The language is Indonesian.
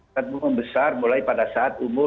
dan membesar mulai pada saat umur